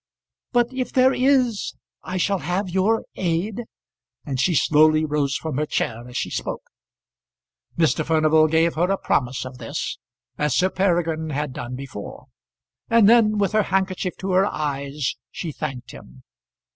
"But if there is I shall have your aid?" and she slowly rose from her chair as she spoke. Mr. Furnival gave her a promise of this, as Sir Peregrine had done before; and then with her handkerchief to her eyes she thanked him.